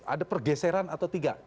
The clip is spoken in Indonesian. ada pergeseran atau tidak